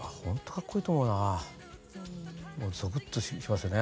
もうぞくっとしますよね。